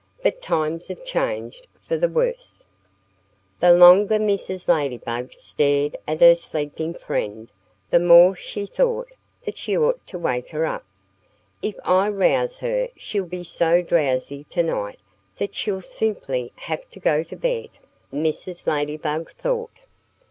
But times have changed for the worse." The longer Mrs. Ladybug stared at her sleeping friend, the more she thought that she ought to wake her up. "If I rouse her she'll be so drowsy to night that she'll simply have to go to bed," Mrs. Ladybug thought.